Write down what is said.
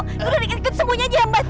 gue udah ikut ikut sembunyianya mbak